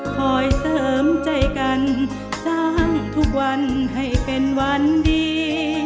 คอยเสริมใจกันสร้างทุกวันให้เป็นวันดี